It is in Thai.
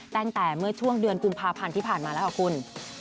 ตั้งแต่เมื่อช่วงเดือนกุมภาพันธ์ที่ผ่านมาแล้วค่ะคุณ